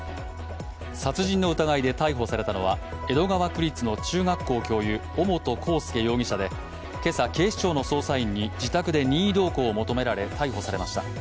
殺人の疑いで逮捕されたのは江戸川区立の中学校教諭尾本幸祐容疑者で、今朝、警視庁の捜査員に自宅で任意同行を求められ逮捕されました。